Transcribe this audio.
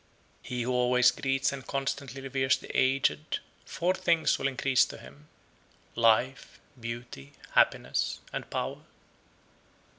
109. He who always greets and constantly reveres the aged, four things will increase to him, viz. life, beauty, happiness, power.